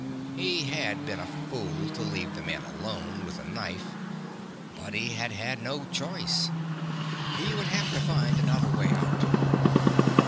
He had been a fool to leave the man alone, with a knife ... but he had had no choice. He would have to find another way out.